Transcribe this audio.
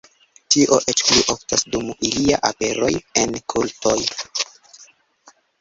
Tio eĉ pli oftas dum ilia aperoj en kultoj.